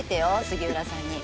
杉浦さんに。